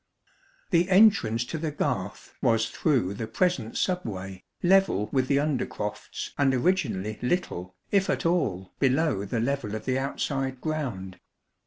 The Entrance to the Garth was through the present sub way, level with the undercrofts and originally little, if at all, below the level of the outside ground.